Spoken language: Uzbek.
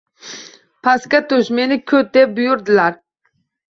Pastga tush, meni kut,- deb buyurdilar.